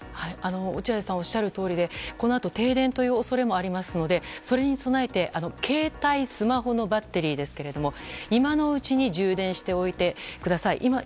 落合さんがおっしゃるとおりでこのあと停電の恐れもありますのでそれに備えて携帯、スマホのバッテリーを今のうちに充電しておいてください。